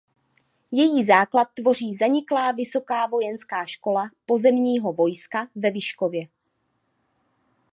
Její základ tvoří zaniklá Vysoká vojenská škola pozemního vojska ve Vyškově.